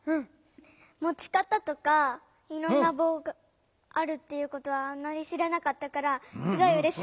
もち方とかいろんなぼうがあるっていうことはあんまり知らなかったからすごいうれしかった。